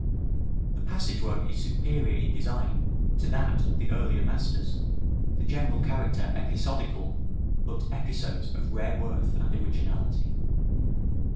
The passage work is superior in design to that of the earlier masters, the general character episodical, but episodes of rare worth and originality.